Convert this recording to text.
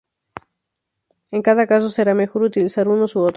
En cada caso será mejor utilizar unos u otros.